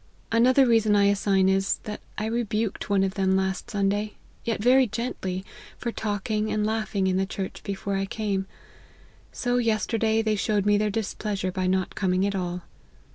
Another reason I assign is, that I rebuked one of them last Sunday, yet very gently, for talking and laughing in the church before I came ; so yesterday they showed their displeasure by not coming at all.